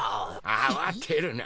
慌てるな。